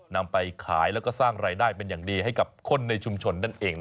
นำไปขายและสร้างรายได้เป็นอย่างดีให้คนในชุมชน